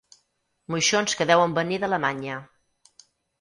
Moixons que deuen venir d'Alemanya.